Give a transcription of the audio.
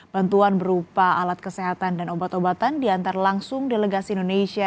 bantuan berupa alat kesehatan dan obat obatan diantar langsung delegasi indonesia